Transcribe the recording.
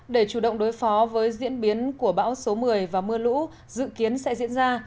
để chủ động đối phó với diễn biến của bão số một mươi và mưa lũ dự kiến sẽ diễn ra